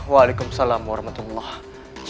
waalaikumsalam warahmatullahi wabarakatuh